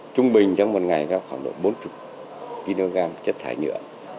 trung bình trong một ngày có khoảng độ bốn mươi kg chất thải nhựa